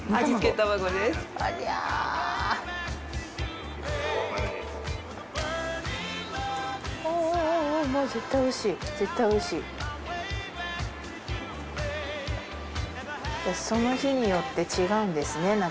じゃその日によって違うんですね